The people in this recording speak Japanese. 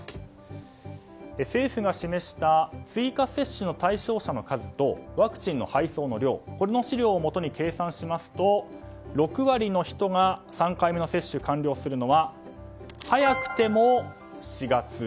政府が示した追加接種の対象者の数とワクチンの配送量この資料をもとに計算しますと６割の人が３回目の接種を完了するのは早くても４月。